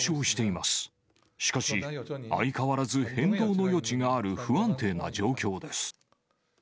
しかし、相変わらず変動の余地がある、不安定な状況です。